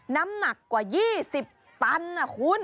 น้ำหนักกว่า๒๐ตันนะคุณ